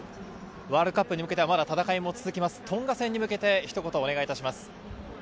ワールドカップに向けてはまだ戦いが続きます、トンガ戦に向けて、ひと言お願いします。